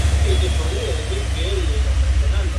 Enviáronle carta, y de esta manera estaba escrito en ella.